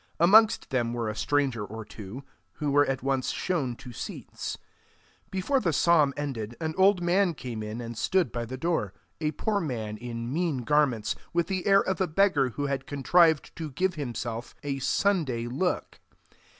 Amongst them were a stranger or two, who were at once shown to seats. Before the psalm ended, an old man came in and stood by the door a poor man in mean garments, with the air of a beggar who had contrived to give himself a Sunday look.